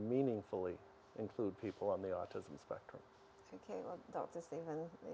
benar dan kuncinya adalah mencari cara untuk memanfaatkan orang orang di spektrum otisme dengan artis